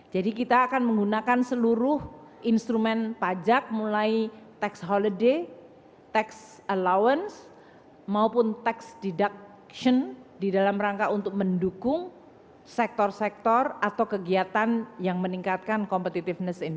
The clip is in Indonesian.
jadi kita akan menggunakan seluruh instrumen pajak mulai tax holiday tax allowance maupun tax deduction di dalam rangka untuk mendukung sektor sektor atau kegiatan yang meningkatkan competitiveness